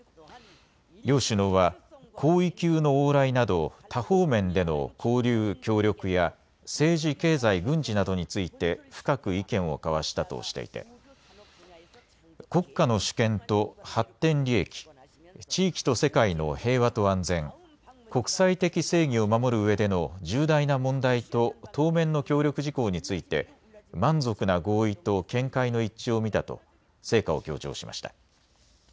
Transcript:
両首脳は高位級の往来など多方面での交流・協力や政治、経済、軍事などについて深く意見を交わしたとしていて国家の主権と発展利益、地域と世界の平和と安全、国際的正義を守るうえでの重大な問題と当面の協力事項について満足な合意と見解の一致を見たと成果を強調しました。